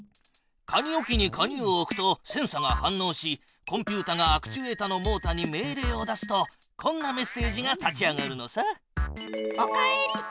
鍵置きに鍵を置くとセンサが反のうしコンピュータがアクチュエータのモータに命令を出すとこんなメッセージが立ち上がるのさ。